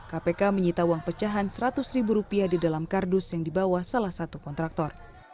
kpk menyita uang pecahan rp seratus di dalam kardus yang dibawa salah satu kontraktor